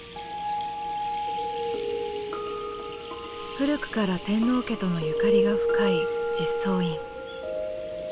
古くから天皇家とのゆかりが深い実相院。